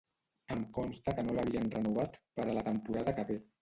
Em consta que no l'havien renovat per a la temporada que ve.